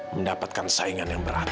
mendapatkan saingan yang berat